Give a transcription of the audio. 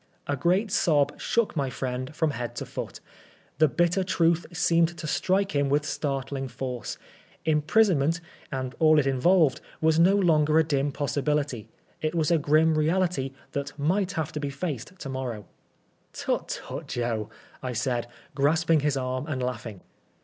'^ A great sob shook my friend from head to foot. The bitter truth seemed to strike him with startling force. Imprisonment, and all it involved, was no longer a dim possibility : it was a grim reality that might have to be faced to morrow. Tut, tut, Joe I" I said, grasping his arm and laughing.